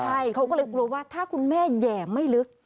ใช่เขาก็เลยกลัวว่าถ้าคุณแม่แห่ไม่ลึก